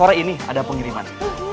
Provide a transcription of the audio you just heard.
sore ini ada pengiriman